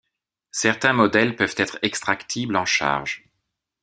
Certains modèles peuvent être extractibles en charge.